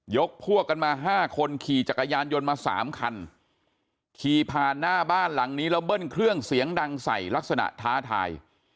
พวกกันมา๕คนขี่จักรยานยนต์มาสามคันขี่ผ่านหน้าบ้านหลังนี้แล้วเบิ้ลเครื่องเสียงดังใส่ลักษณะท้าทาย